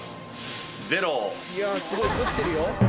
いやすごい凝ってるよ。